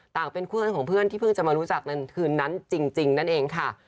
เป็นคู่เพื่อนของเพื่อนที่เพิ่งจะมารู้จักในคืนนั้นจริงนั่นเองค่ะ